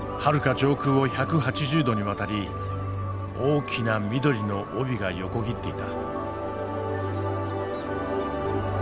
上空を１８０度にわたり大きな緑の帯が横切っていた。